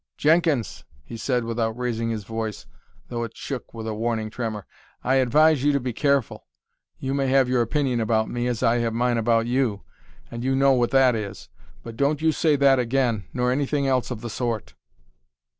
"Jenkins," he said, without raising his voice, although it shook with a warning tremor, "I advise you to be careful. You may have your opinion about me, as I have mine about you and you know what that is. But don't you say that again, nor anything else of the sort!"